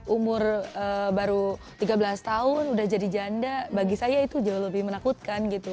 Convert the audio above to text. umur baru tiga belas tahun udah jadi janda bagi saya itu jauh lebih menakutkan gitu